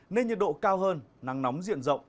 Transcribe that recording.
nên nhiệt độ cao hơn nắng nóng diện rộng